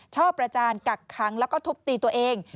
ประจานกักขังแล้วก็ทุบตีตัวเอง